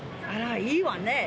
あら、いいわね。